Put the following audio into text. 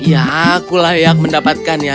ya aku layak mendapatkannya